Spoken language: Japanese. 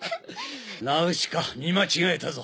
ナウシカ見間違えたぞ。